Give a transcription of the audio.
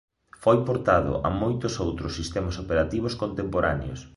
Foi portado a moitos outros sistemas operativos contemporáneos.